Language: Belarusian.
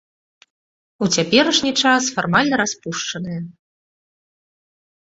У цяперашні час фармальна распушчаная.